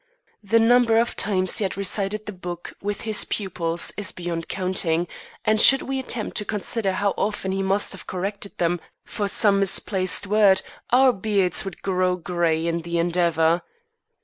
The number of times he had recited the Book with his pupils is beyond counting; and should we attempt to consider how often he must have corrected them for some misplaced word, our beards would grow gray in the endeavor.